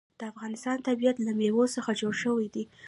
د افغانستان طبیعت له مېوې څخه جوړ شوی دی.